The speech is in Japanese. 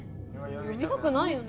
よびたくないよね。